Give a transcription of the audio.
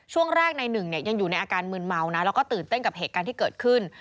ช่วงแรกในหนึ่งเนี่ยยังอยู่ในอาการมืนเมานะแล้วก็ตื่นเต้นกับเหตุการณ์ที่เกิดขึ้น